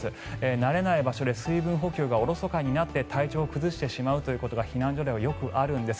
慣れない場所で水分補給がおろそかになって体調を崩してしまうことは避難所ではよくあるんです。